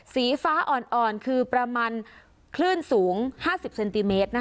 สีฟ้าอ่อนคือประมาณคลื่นสูง๕๐เซนติเมตร